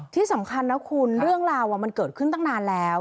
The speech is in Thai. ที่สำคัญนะคุณเรื่องราวมันเกิดขึ้นตั้งนานแล้ว